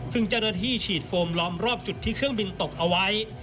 ซึ่งเจ้าหน้าที่ฉีดโฟมล้อมรอบจุดที่เครื่องบินตกเอาไว้